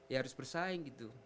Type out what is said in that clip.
ya harus bersaing gitu